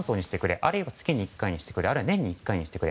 あるいは月１回にしてくれあるいは年に１回にしてくれ。